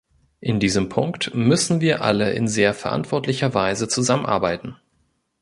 In diesem Punkt müssen wir alle in sehr verantwortlicher Weise zusammenarbeiten.